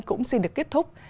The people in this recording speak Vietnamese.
cũng xin được kết thúc